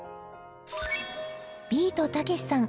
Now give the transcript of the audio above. ビートたけしさん